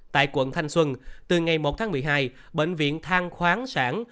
tại quận thanh xuân từ ngày một tháng một mươi hai bệnh viện than khoáng sản